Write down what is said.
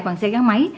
bằng xe gắn máy